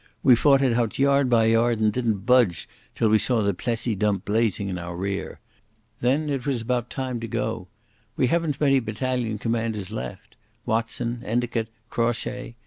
We fought it out yard by yard and didn't budge till we saw the Plessis dump blazing in our rear. Then it was about time to go.... We haven't many battalion commanders left. Watson, Endicot, Crawshay...."